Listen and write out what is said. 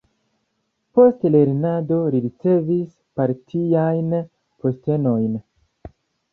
Post lernado li ricevis partiajn postenojn.